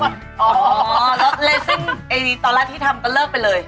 อ๋อรถเลซิ่งเองตอนแรกที่ทำก็เลิกไปเลย